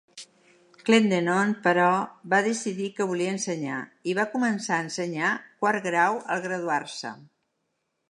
Clendenon, però, va decidir que volia ensenyar, i va començar a ensenyar quart grau al graduar-se.